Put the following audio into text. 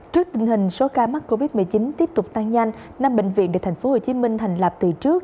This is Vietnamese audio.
trước tình hình số ca mắc covid một mươi chín tiếp tục tăng nhanh năm bệnh viện được tp hcm thành lập từ trước